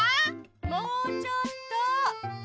・もうちょっと。